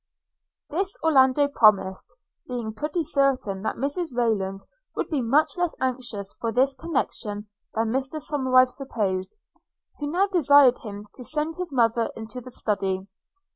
This Orlando promised, being pretty certain that Mrs Rayland would be much less anxious for this connection than Mr Somerive supposed, who now desired him to send his mother into the Study.